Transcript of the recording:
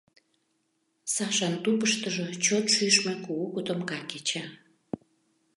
Сашан тупыштыжо чот шӱшмӧ кугу котомка кеча.